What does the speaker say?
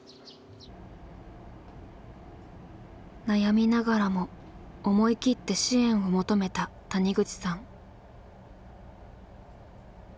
悩みながらも思い切って支援を求めた谷口さん。